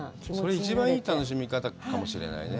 それ、一番いい楽しみ方かもしれないね。